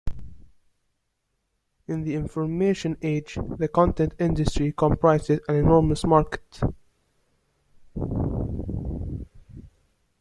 In the Information Age, the content industry comprises an enormous market.